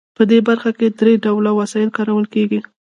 په دې برخه کې درې ډوله وسایل کارول کیږي.